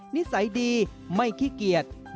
นิสัยดีไม่ขี้เกียจ